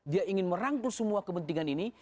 dia ingin merangkul semua kepentingan ini